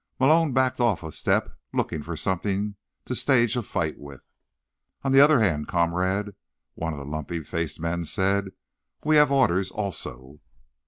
Malone backed off a step, looking for something to stage a fight with. "On the other hand, Comrade," one of the lumpy faced men said, "we have orders also."